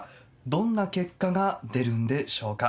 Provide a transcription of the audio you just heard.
どんな結果が出るんでしょうか。